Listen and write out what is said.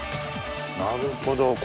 なるほど。